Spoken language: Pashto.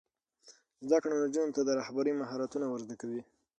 زده کړه نجونو ته د رهبرۍ مهارتونه ور زده کوي.